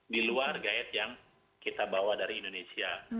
di luar gaya yang kita bawa dari indonesia